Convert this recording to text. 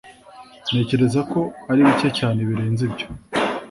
Ntekereza ko ari bike cyane birenze ibyo